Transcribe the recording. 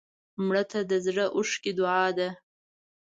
مړه ته د زړه اوښکې دعا ده